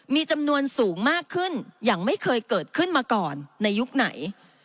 มีจำนวนสูงมากขึ้นอย่างไม่เคยเกิดขึ้นมาก่อนในยุคไหน